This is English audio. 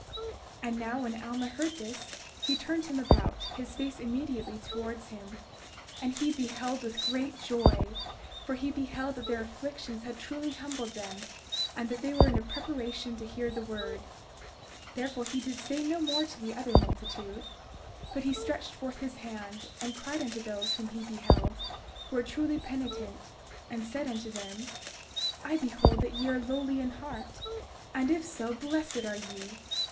32:6 And now when Alma heard this, he turned him about, his face immediately towards him, and he beheld with great joy; for he beheld that their afflictions had truly humbled them and that they were in a preparation to hear the word. 32:7 Therefore he did say no more to the other multitude; but he stretched forth his hand, and cried unto those whom he beheld, who were truly penitent, and said unto them: 32:8 I behold that ye are lowly in heart; and if so, blessed are ye.